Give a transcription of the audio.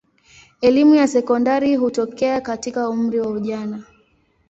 Elimu ya sekondari hutokea katika umri wa ujana.